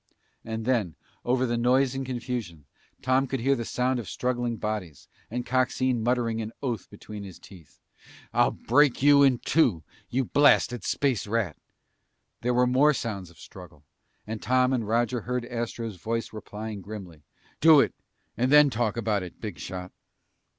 And then, over the noise and confusion, Tom could hear the sound of struggling bodies and Coxine muttering an oath between his teeth. "I'll break you in two, you blasted space rat!" There were more sounds of struggle, and Tom and Roger heard Astro's voice replying grimly: "Do it and then talk about it, big shot!"